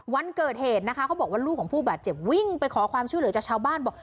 วันเกิดเหตุนะคะเขาบอกว่าลูกของผู้บาดเจ็บวิ่งไปขอความช่วยเหลือจากชาวบ้านบอก